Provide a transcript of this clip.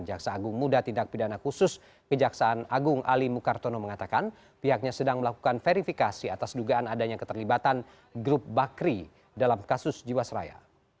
jaksa agung muda tindak pidana khusus kejaksaan agung ali mukartono mengatakan pihaknya sedang melakukan verifikasi atas dugaan adanya keterlibatan grup bakri dalam kasus jiwasraya